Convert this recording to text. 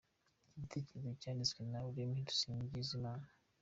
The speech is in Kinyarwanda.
Iki giitekerezo cyanditswe na Remy Dusingizimana.